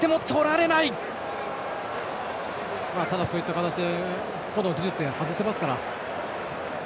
そういった形で個の技術で外せますから。